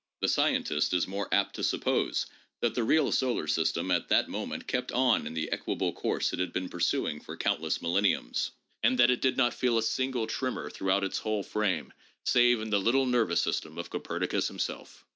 The scientist is more apt to suppose that the real solar system at that moment kept on in the equable course it had been pursuing for countless milleniums, and that it did not feel a single tremor throughout its whole frame save in the little nervous system of Copernicus himself.